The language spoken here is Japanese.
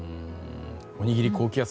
おにぎり高気圧